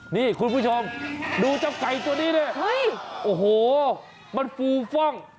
นี่คุณผู้ชมดูเจ้าไก่ตัวนี้ดิโอ้โหมันฟูฟ่อง